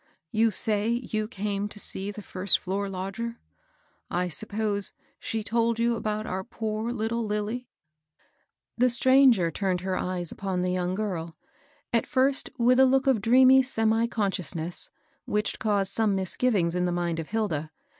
You say you came to see the first floor lodger ? I suppose she told you about our poor little Lilly ?" The stranger turned her eyes upon the young girl, at first with a look of dreamy semi conscious ness,^hich caused some misgivings in the mind of Hilda.